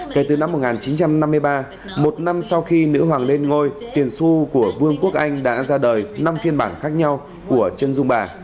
kể từ năm một nghìn chín trăm năm mươi ba một năm sau khi nữ hoàng lên ngôi tiền su của vương quốc anh đã ra đời năm phiên bản khác nhau của chân dung bà